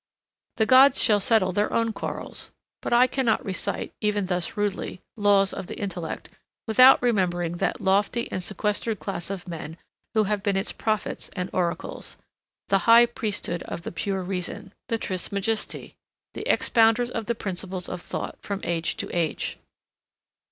The gods shall settle their own quarrels. But I cannot recite, even thus rudely, laws of the intellect, without remembering that lofty and sequestered class of men who have been its prophets and oracles, the high priesthood of the pure reason, the Trismegisti, the expounders of the principles of thought from age to age.